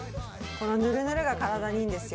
このヌルヌルが体にいいんですよ。